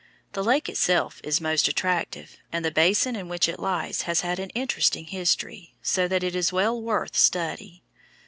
The lake itself is most attractive, and the basin in which it lies has had an interesting history, so that it is well worth study.